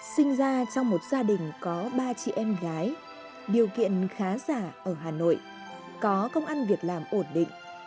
sinh ra trong một gia đình có ba chị em gái điều kiện khá giả ở hà nội có công ăn việc làm ổn định